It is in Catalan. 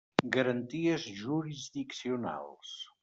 Garanties jurisdiccionals.